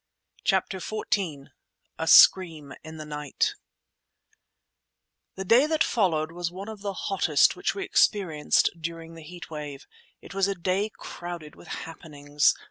CHAPTER XIV A SCREAM IN THE NIGHT The day that followed was one of the hottest which we experienced during the heat wave. It was a day crowded with happenings.